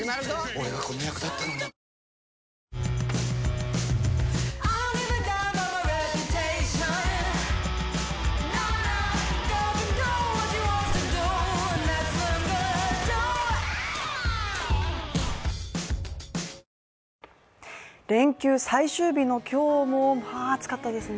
俺がこの役だったのに連休最終日の今日も暑かったですね。